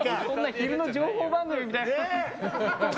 昼の情報番組みたいに。